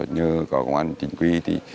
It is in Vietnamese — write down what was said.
như có công an chính quy